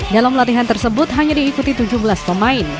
dalam latihan tersebut hanya diikuti tujuh belas pemain